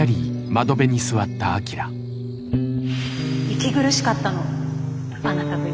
息苦しかったの。